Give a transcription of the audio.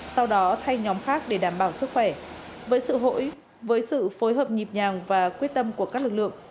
sau đó thay nhóm khác để đảm bảo sức khỏe với sự hỗ với sự phối hợp nhịp nhàng và quyết tâm của các lực lượng